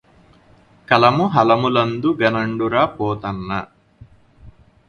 కలము హలములందు ఘనుండురా Pothanna